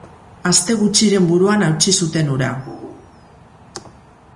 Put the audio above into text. Aste gutxiren buruan hautsi zuten hura.